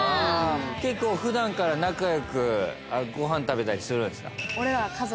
結構普段から仲良くご飯食べたりするんですか？